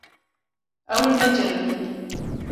Ew ê neceribînin.